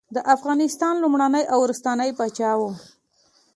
د افغانستان لومړنی او وروستنی پاچا وو.